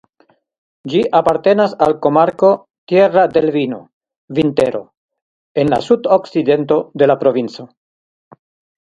Ĝi apartenas al komarko "Tierra del Vino" (Vintero) en la sudokcidento de la provinco.